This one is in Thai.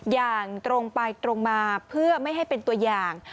อย่างตรงไปตรงมาเพื่อไม่ให้เป็นตัวอย่าง